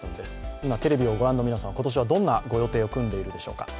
今、テレビを御覧の皆さん今年はどんなご予定を組んでいるでしょうか。